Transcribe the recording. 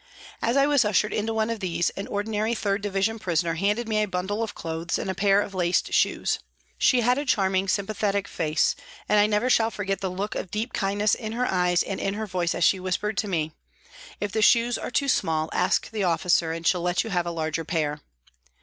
As I was ushered into one of these, an ordinary 3rd Division prisoner handed me a bundle of clothes and a pair of laced shoes. She had a charming, sympathetic face, and I never shall forget the look of deep kindness in her eyes and in her voice as she whispered to me, " If the shoes are too small, ask the officer and she'll let you have a larger pair."